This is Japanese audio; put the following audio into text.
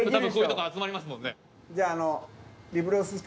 じゃああの。